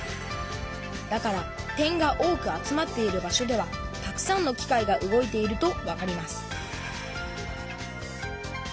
だから点が多く集まっている場所ではたくさんの機械が動いているとわかります